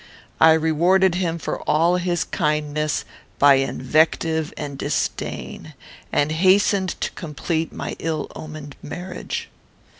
I rewarded him for all his kindness by invective and disdain, and hastened to complete my ill omened marriage.